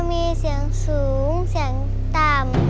มีเสียงสูงเสียงต่ำ